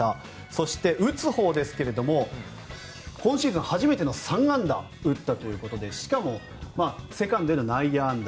そして、打つほうですけれど今シーズン初めての３安打打ったということでしかも、セカンドへの内野安打